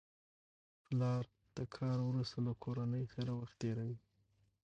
پلر د کار وروسته له کورنۍ سره وخت تېروي